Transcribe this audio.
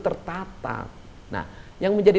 tertata nah yang menjadi